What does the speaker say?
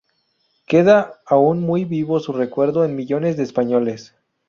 Queda aún muy vivo su recuerdo en millones de españoles.